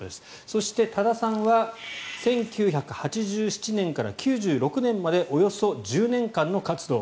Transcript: そして、多田さんは１９８７年から９６年までおよそ１０年間の活動。